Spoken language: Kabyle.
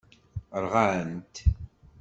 Rɣant.